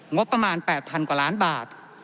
งบประมาณ๘๐๐๐กว่าล้านบาท